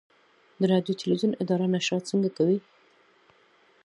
د راډیو تلویزیون اداره نشرات څنګه کوي؟